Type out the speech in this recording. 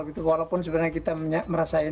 walaupun sebenarnya kita merasakan